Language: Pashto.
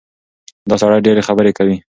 دا سړی ډېرې خبرې کوي.